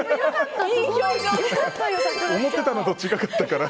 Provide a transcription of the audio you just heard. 思ってたのと違ったから。